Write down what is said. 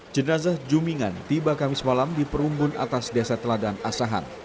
jenazah jumingan tiba kamis malam di perumbun atas desa teladan asahan